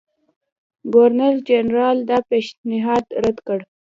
ګورنرجنرال دا پېشنهاد رد کړ.